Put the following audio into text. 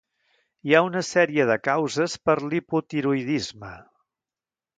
Hi ha una sèrie de causes per l'hipotiroïdisme.